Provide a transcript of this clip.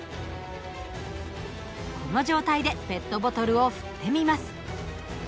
この状態でペットボトルを振ってみます。